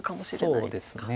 そうですね。